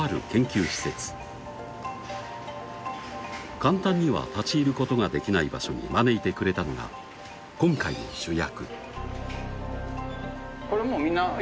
簡単には立ち入ることができない場所に招いてくれたのが今回の主役